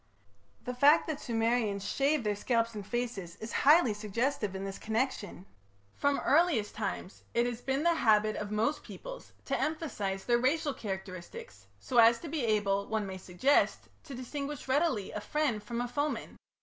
The fact that the Sumerians shaved their scalps and faces is highly suggestive in this connection. From the earliest times it has been the habit of most peoples to emphasize their racial characteristics so as to be able, one may suggest, to distinguish readily a friend from a foeman.